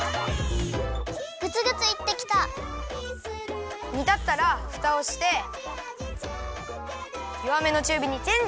グツグツいってきた！にたったらふたをしてよわめのちゅうびにチェンジ。